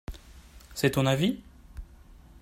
C'est ton avis ?